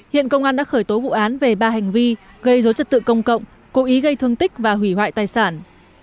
hiện công an đã khởi tố vụ án về ba hành vi gây dối trật tự công cộng cố ý gây thương tích và hủy hoại tài sản